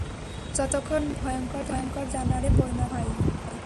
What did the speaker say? যতক্ষণ না ও ভয়ংকর জানোয়ারে পরিণত নাহয়।